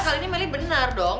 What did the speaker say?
kalo ini melly bener dong